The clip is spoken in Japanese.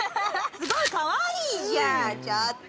すごいかわいいじゃんちょっと。